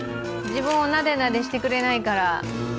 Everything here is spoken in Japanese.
自分をなでなでしてくれないから。